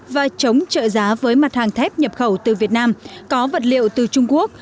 và chống trợ giá với mặt hàng thép nhập khẩu từ việt nam có vật liệu từ trung quốc